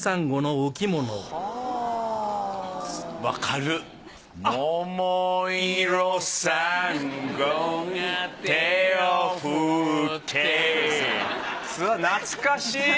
うわ懐かしい！